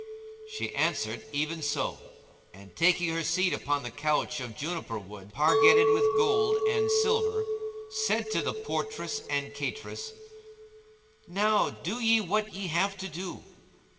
"[FN#176] She answered, "Even so"; and, taking her seat upon the couch of juniper wood, pargetted with gold and silver, said to the portress and cateress, "Now do ye what ye have to do."